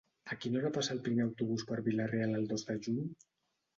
A quina hora passa el primer autobús per Vila-real el dos de juny?